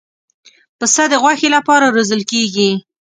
پسه د غوښې لپاره روزل کېږي.